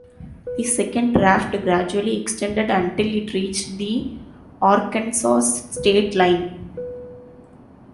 The second Raft gradually extended until it reached the Arkansas state line.